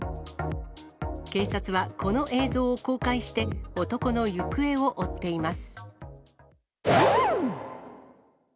警察は、この映像を公開して、男の行方を追っています。